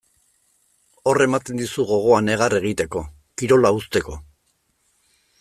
Hor ematen dizu gogoa negar egiteko, kirola uzteko.